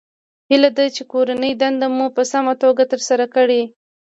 هیله ده چې کورنۍ دنده مو په سمه توګه ترسره کړئ